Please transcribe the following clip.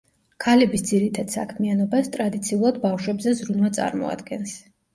ქალების ძირითად საქმიანობას ტრადიციულად ბავშვებზე ზრუნვა წარმოადგენს.